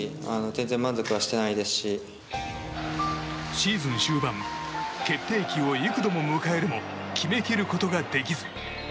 シーズン終盤決定機を幾度も迎えるも決めきることができず。